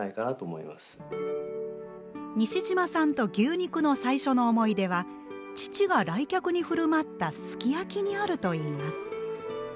西島さんと牛肉の最初の思い出は父が来客に振る舞ったすき焼きにあるといいます。